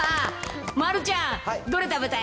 丸ちゃん、どれ食べたい？